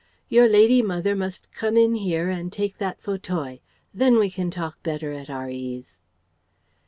Your lady mother must come in here and take that fauteuil. Then we can talk better at our ease."